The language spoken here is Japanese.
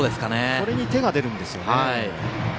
ここに手が出るんですね。